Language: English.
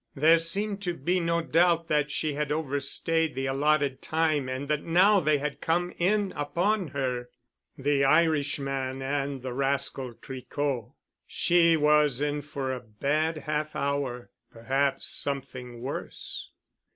There seemed to be no doubt that she had overstayed the allotted time and that now they had come in upon her— the Irishman and the rascal Tricot. She was in for a bad half hour—perhaps something worse.